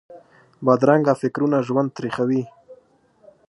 بدرنګه فکرونه ژوند تریخوي